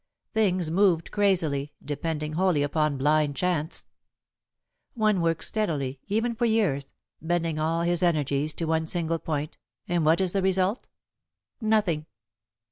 Things moved crazily, depending wholly upon blind chance. One works steadily, even for years, bending all his energies to one single point, and what is the result? Nothing!